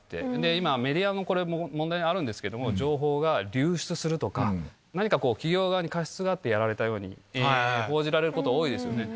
今、メディアも、これ、問題あるんですけども、情報が流出するとか、なにかこう、企業側に過失があってやられたように報じられることが多いですよね。